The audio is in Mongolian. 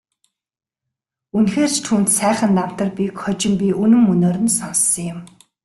Үнэхээр ч түүнд сайхан намтар бийг хожим би үнэн мөнөөр нь сонссон юм.